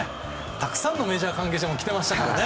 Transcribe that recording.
たくさんのメジャー関係者も来てましたからね。